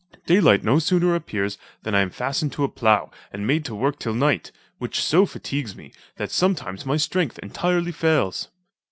Daylight no sooner appears than I am fastened to a plough, and made to work till night, which so fatigues me, that sometimes my strength entirely fails.